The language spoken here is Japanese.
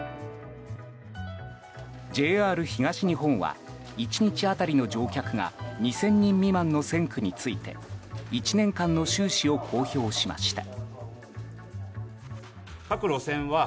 ＪＲ東日本は１日当たりの乗客が２０００人未満の線区について１年間の収支を公表しました。